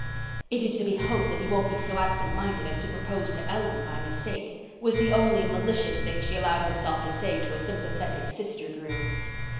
"It is to be hoped that he won't be so absent minded as to propose to Ellen by mistake," was the only malicious thing she allowed herself to say to a sympathetic sister Drew.